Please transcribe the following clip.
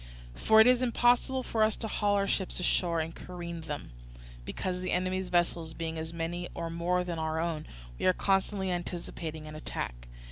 For it is impossible for us to haul our ships ashore and careen them, because, the enemy's vessels being as many or more than our own, we are constantly anticipating an attack.